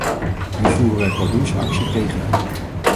Nu voeren wij pardoes actie tegen hen.